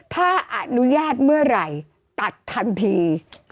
ถ้าอนุญาตเมื่อไหร่ตัดทันที